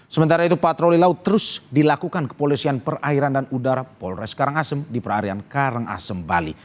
sementara itu patroli laut terus dilakukan kepolisian perairan dan udara polres karangasem di perarian karangasem bali